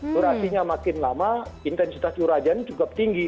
durasinya makin lama intensitas curah hujan cukup tinggi